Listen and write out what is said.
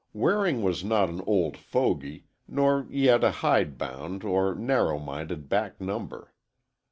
Waring was not an old fogy, nor yet a hide bound or narrow minded back number.